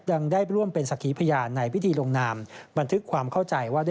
ยังได้ร่วมเป็นสักขีพยานในพิธีลงนามบันทึกความเข้าใจว่า